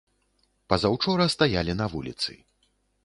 Пазаўчора стаялі на вуліцы.